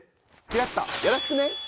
キラッとよろしくね！